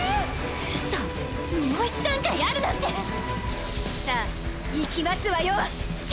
ウソもう一段階あるなんてさあいきますわよ